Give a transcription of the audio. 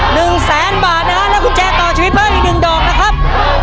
หนึ่งแสนบาทนะฮะและกุญแจต่อชีวิตบ้านอีกหนึ่งดอกนะครับ